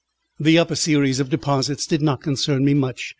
The upper series of deposits did not concern me much.